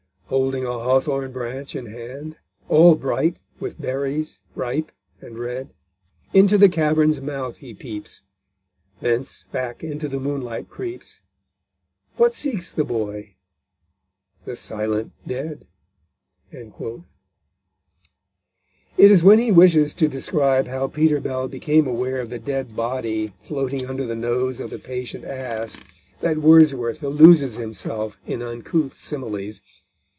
Holding a hawthorn branch in hand, All bright with berries ripe and red; Into the cavern's mouth he peeps Thence back into the moonlight creeps; What seeks the boy? the silent dead!_ It is when he wishes to describe how Peter Bell became aware of the dead body floating under the nose of the patient ass that Wordsworth loses himself in uncouth similes.